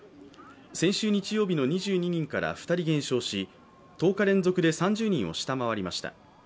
先週日曜日の２２人から２人減少し１０日連続で３０人を下回りました。